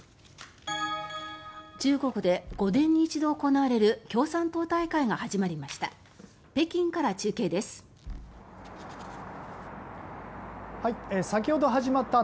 中国で５年に一度行われる共産党大会が始まりました。